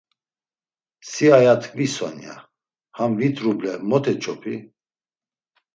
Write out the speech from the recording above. Si aya t̆ǩvi Sonya, ham vit Ruble mot eç̌opi?